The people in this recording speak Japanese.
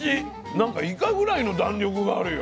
なんかイカぐらいの弾力があるよ。